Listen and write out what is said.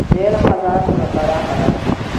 د علم خزانه دومره پراخه ده.